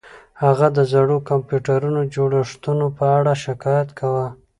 هغه د زړو کمپیوټري جوړښتونو په اړه شکایت کاوه